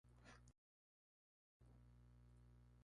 Taha Hussein fue el primer rector de la universidad.